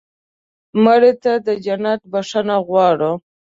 مړه ته د جنت بښنه غواړو